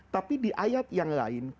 tapi di ayat yang lain